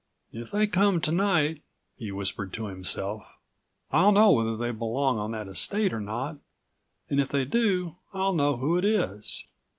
"If they come to night," he whispered to himself, "I'll know whether they belong on that estate or not, and if they do I'll know who it is.